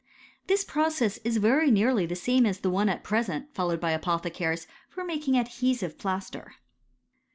,* This process is very nearly the same as the one at pre .^ sent followed by apothecaries for making adhesive > plaster.